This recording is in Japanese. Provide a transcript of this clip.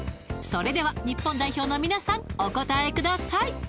それでは日本代表の皆さんお答えください